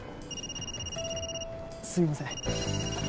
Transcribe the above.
すみません。